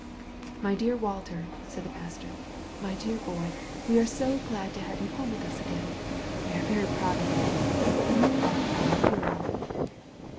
"My dear Walter," said the Pastor, "my dear boy, we are so glad to have you home with us again. We are very proud of you. You are our Hero."